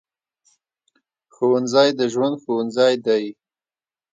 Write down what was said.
ښوونځی د ژوند ښوونځی دی